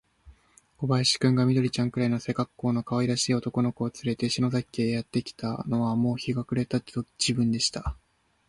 小林君が、緑ちゃんくらいの背かっこうのかわいらしい男の子をつれて、篠崎家へやってきたのは、もう日の暮れがた時分でした。